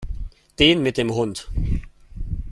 Den mit dem Hund.